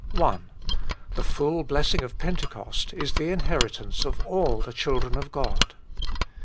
I The full blessing of Pentecost is the inheritance of all the children of God.